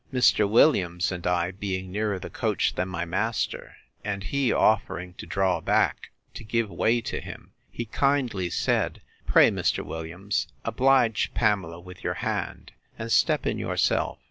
Mr. Williams and I being nearer the coach than my master, and he offering to draw back, to give way to him, he kindly said, Pray, Mr. Williams, oblige Pamela with your hand; and step in yourself.